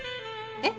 えっ？